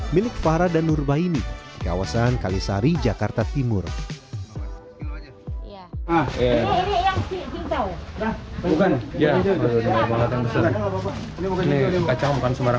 milik farah dan nurmah ini kawasan kalisari jakarta timur bukan ya